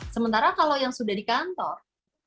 sementara kalau yang sudah di kantor